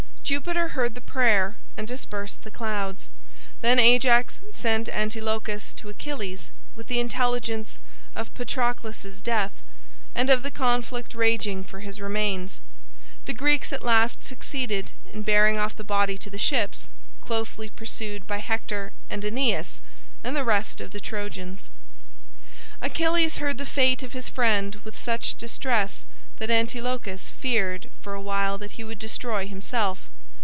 Jupiter heard the prayer and dispersed the clouds. Then Ajax sent Antilochus to Achilles with the intelligence of Patroclus's death, and of the conflict raging for his remains. The Greeks at last succeeded in bearing off the body to the ships, closely pursued by Hector and Aeneas and the rest of the Trojans. Achilles heard the fate of his friend with such distress that Antilochus feared for a while that he would destroy himself.